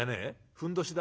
ふんどしだ？